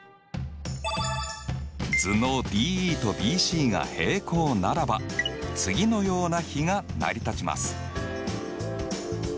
図のＤＥとＢＣが平行ならば次のような比が成り立ちます。